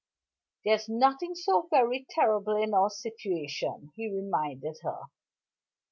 "There's nothing so very terrible in our situation," he reminded her.